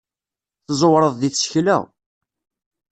Tẓewreḍ deg tsekla.